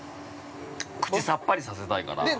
口さっぱりさせたいから。